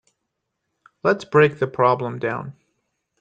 Let's break the problem down.